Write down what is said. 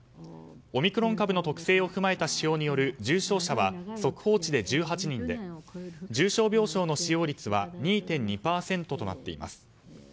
オミクロン株の特性を踏まえた指標による重症者は速報値で１８人で重症病床の使用率は２．２％となっています。